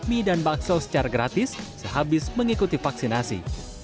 mie dan bakso secara gratis sehabis mengikuti vaksinasi